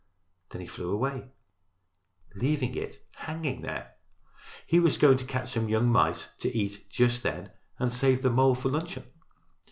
Then he flew away, leaving it hanging there. He was going to catch some young mice to eat just then and save the mole for luncheon.